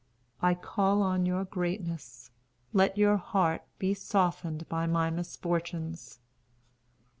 I call on your greatness. Let your heart be softened by my misfortunes."